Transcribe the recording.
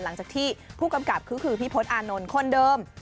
หลังจากที่ผู้กำกับก็คือพี่พศอานนท์คนเดิม